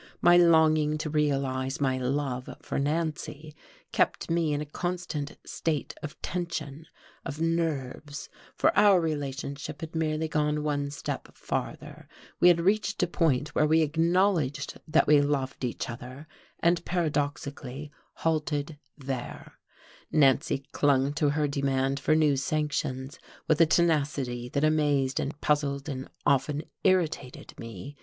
My longing to realize my love for Nancy kept me in a constant state of tension of "nerves"; for our relationship had merely gone one step farther, we had reached a point where we acknowledged that we loved each other, and paradoxically halted there; Nancy clung to her demand for new sanctions with a tenacity that amazed and puzzled and often irritated me.